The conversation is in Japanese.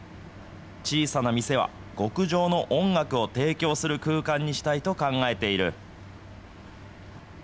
小さな店は、極上の音楽を提供する空間にしたいと考えている。